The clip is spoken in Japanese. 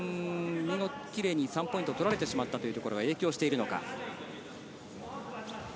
キレイに３ポイントを取られてしまったということが影響しているのか。